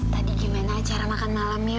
tadi gimana acara makan malamnya bu